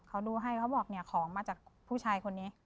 เขาดูให้เขาบอกเนี่ยของมาจากผู้ชายคนนี้